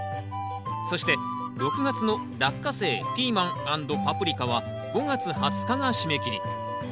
そして６月の「ラッカセイ」「ピーマン＆パプリカ」は５月２０日が締め切り。